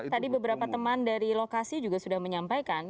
tadi beberapa teman dari lokasi juga sudah menyampaikan